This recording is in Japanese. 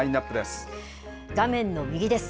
画面の右です。